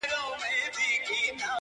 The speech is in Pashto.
د اوښکو تر ګرېوانه به مي خپله لیلا راسي،